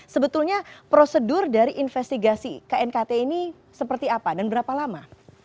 sebetulnya prosedur dari investigasi knkt ini seperti apa dan berapa lama